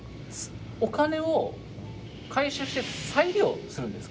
お金を回収して再利用するんですか？